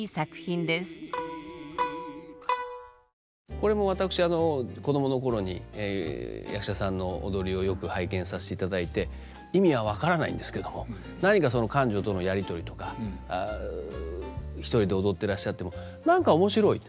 これも私子供の頃に役者さんの踊りをよく拝見させていただいて意味は分からないんですけれども何かその官女とのやり取りとか一人で踊ってらっしゃっても何か面白い。